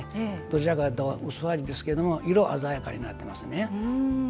どちらかというと薄味ですけど色鮮やかになってますね。